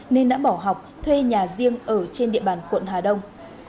nên đã bỏ học thuê nhà riêng ở trên địa bàn quận hà đông